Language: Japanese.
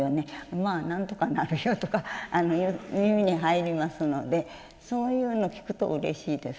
まあなんとかなるよとか耳に入りますのでそういうの聞くとうれしいです。